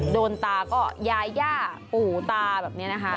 โดนตาก็ยาย่าปู่ตาแบบนี้นะคะ